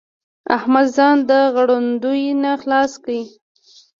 احمد ځان د غړوندي نه خلاص کړ.